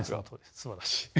すばらしい。